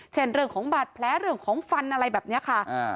เช่นเรื่องของบาดแผลเรื่องของฟันอะไรแบบนี้ค่ะ